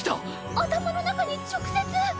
頭の中に直接！